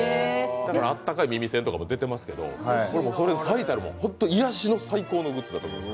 あったかい耳栓とかも出てますけど、最たるもの、癒しの最高のグッズだと思います。